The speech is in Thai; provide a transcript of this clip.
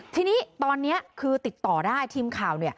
ทีนี้ตอนนี้คือติดต่อได้ทีมข่าว